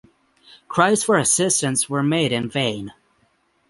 Cries for assistance were made in vain.